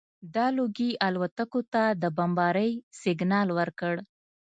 دا لوګي الوتکو ته د بمبارۍ سګنال ورکړ